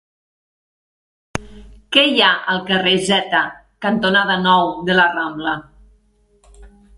Què hi ha al carrer Zeta cantonada Nou de la Rambla?